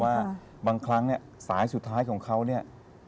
ว่าบางครั้งเนี่ยสายสุดท้ายของเขาเนี่ย